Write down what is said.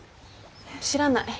知らない。